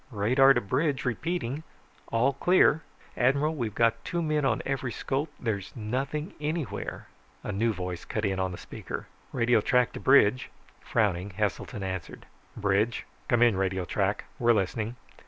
"Radar to bridge, repeating. All clear. Admiral, we've got two men on every scope, there's nothing anywhere." A new voice cut in on the speaker. "Radio track to bridge." Frowning, Heselton answered. "Bridge. Come in radio track. We're listening."